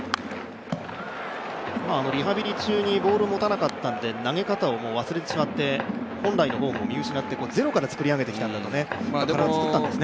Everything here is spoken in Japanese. リハビリ中にボールを持たなかったので投げかたを忘れてしまって本来のフォームを見失って、ゼロから作り上げたそうです。